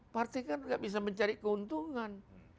partai kan gak bisa mencari keuntungan